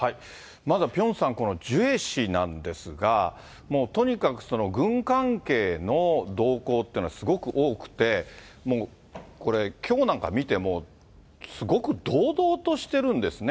まずはピョンさん、ジュエ氏なんですが、もうとにかく軍関係の同行っていうのがすごく多くて、もうこれ、きょうなんか見ても、すごく堂々としてるんですね。